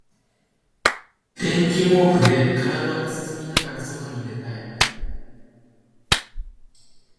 電気毛布で体を包みながら外に出たい。